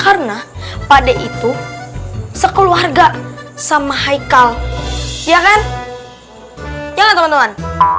karena pade itu sekeluarga sama haikal ya kan jangan teman teman